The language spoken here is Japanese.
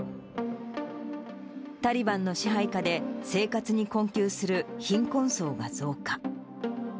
タリバンの支配下で生活に困窮する貧困層が増加。